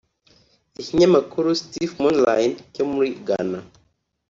Ikinyamakuru citifmonline cyo muri Ghana